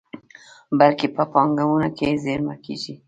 بلکې په بانکونو کې زېرمه کیږي.